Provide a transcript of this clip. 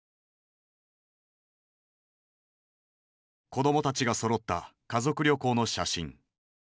子供たちがそろった家族旅行の写真。